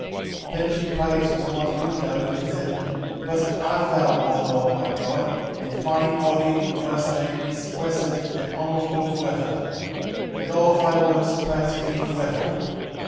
3:11 Then she prayed toward the window, and said, Blessed art thou, O Lord my God, and thine holy and glorious name is blessed and honourable for ever: let all thy works praise thee for ever.